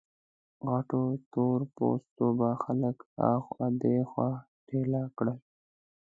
غټو تور پوستو به خلک ها خوا دې خوا ټېله کړل.